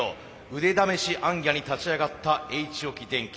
腕試し行脚に立ち上がったＨ置電機。